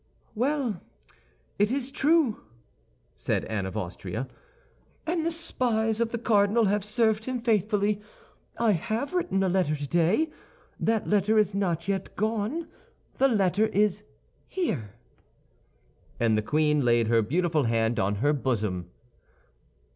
"Well, it is true!" said Anne of Austria; "and the spies of the cardinal have served him faithfully. I have written a letter today; that letter is not yet gone. The letter is here." And the queen laid her beautiful hand on her bosom.